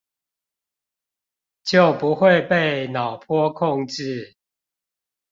就不會被腦波控制